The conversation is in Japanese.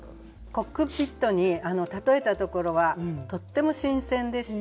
コックピットに例えたところはとっても新鮮でした。